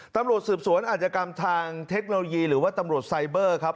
ตำรวจสืบสวนอาจกรรมทางเทคโนโลยีหรือว่าตำรวจไซเบอร์ครับ